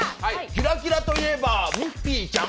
キラキラといえばミッフィーちゃん。